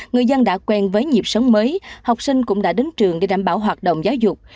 người dân đã quen với nhịp sống mới học sinh cũng đã đến trường để đảm bảo hoạt động giáo dục